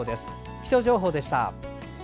気象情報でした。